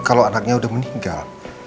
kalau anaknya udah meninggal